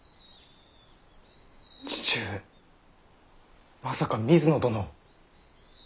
父上まさか水野殿を。